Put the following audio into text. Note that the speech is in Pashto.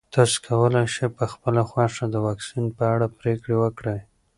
تاسو کولی شئ په خپله خوښه د واکسین په اړه پرېکړه وکړئ.